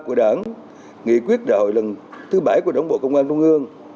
chấp hành nghị quyết đảo lần thứ bảy của đảng bộ công an trung ương